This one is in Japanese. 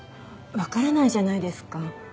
わからないじゃないですか。